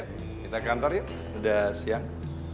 ayo kita ke kantor yuk udah siang